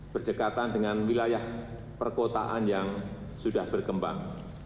berdekatan dengan wilayah perkotaan yang sudah berkembang